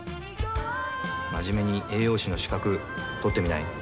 まじめに栄養士の資格取ってみない？